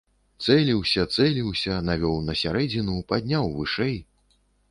Цэліўся, цэліўся, навёў на сярэдзіну, падняў вышэй.